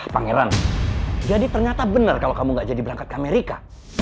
pangeran jadi ternyata benar kalau kamu gak jadi berangkat ke amerika